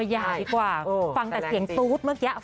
เยี่ยมกว่าฟังไปกับเสียงสู้พรุ่งไว้บ้าง